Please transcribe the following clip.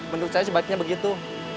menurut saya sebaiknya begitu